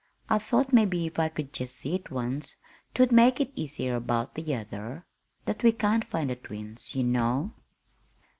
I thought mebbe if I could jest see it once 'twould make it easier 'bout the other that we can't find the twins ye know."